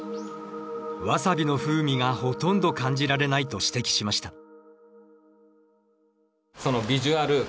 ワサビの風味がほとんど感じられないと指摘しました。